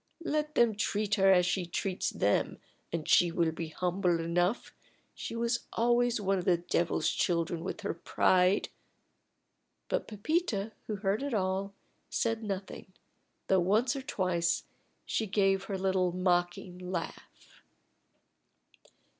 Let them treat her as she treats them, and she will be humble enough. She was always one of the devil's children with her pride!" But Pepita, who heard it all, said nothing, though once or twice she gave her little mocking laugh.